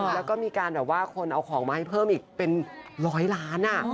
และมีการว่าคนเอาของมาให้เพิ่มเป็น๑๐๐ล้าน